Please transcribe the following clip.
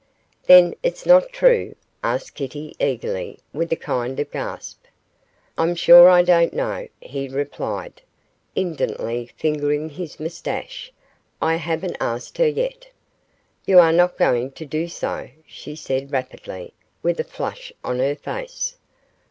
'Then it's not true?' added Kitty, eagerly, with a kind of gasp. 'I'm sure I don't know,' he replied, indolently fingering his moustache; 'I haven't asked her yet.' 'You are not going to do so?' she said, rapidly, with a flush on her face.